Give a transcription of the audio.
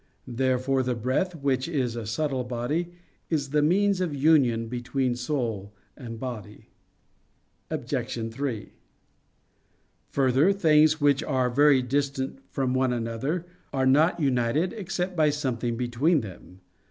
Therefore the breath, which is a subtle body, is the means of union between soul and body. Obj. 3: Further, things which are very distant from one another, are not united except by something between them.